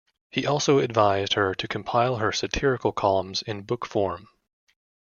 He also advised her to compile her satirical columns in book form.